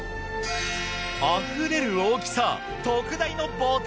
あふれる大きさ。